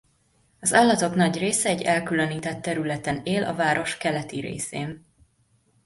Az állatok nagy része egy elkülönített területen él a város keleti részén.